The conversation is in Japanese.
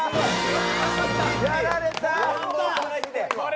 やられた。